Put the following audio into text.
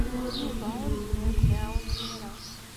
Yuba ur yezmir ad ken-iɛawen imir-a.